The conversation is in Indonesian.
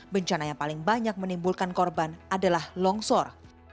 bencana yang paling banyak menimbulkan korban adalah longsor